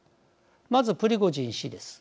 まず、プリゴジン氏です。